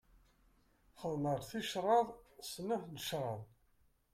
Xedmeɣ-d ticraḍ, snat n tecraḍ.